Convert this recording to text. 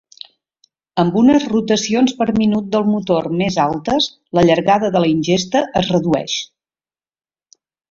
Amb unes rotacions per minut del motor més altes, la llargada de la ingesta es redueix.